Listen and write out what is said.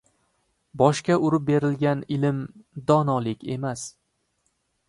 • Boshga urib berilgan ilm — donolik emas.